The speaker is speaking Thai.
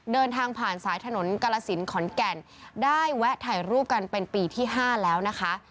เดินทางผ่านสายถนนกาลสินขอนแก่นได้แวะถ่ายรูปกันเป็นปีที่๕แล้วนะคะ